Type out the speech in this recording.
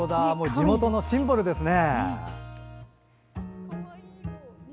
地元のシンボルですね。